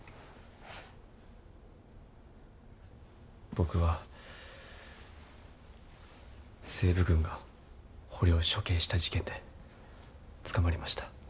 僕は西部軍が捕虜を処刑した事件で捕まりました。